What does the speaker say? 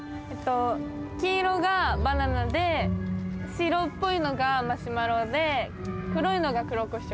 黄色がバナナで白っぽいのがマシュマロで黒いのが黒コショウ。